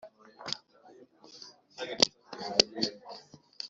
Gukurikirana imikorere y Inama nibyiza